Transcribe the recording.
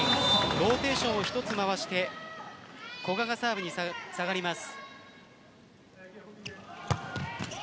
ローテーションを１つ回して古賀がサーブに下がります。